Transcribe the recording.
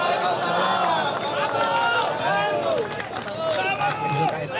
assalamualaikum warahmatullahi wabarakatuh